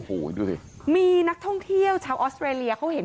โอ้โหดูสิมีนักท่องเที่ยวชาวออสเตรเลียเขาเห็น